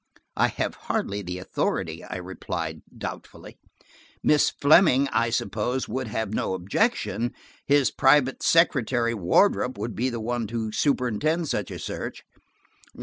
"I have hardly the authority," I replied doubtfully. "Miss Fleming, I suppose, would have no objection. His private secretary, Wardrop, would be the one to superintend such a search."